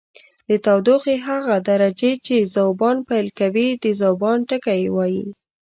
د تودوخې هغه درجې ته چې ذوبان پیل کوي د ذوبان ټکی وايي.